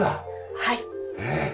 はい。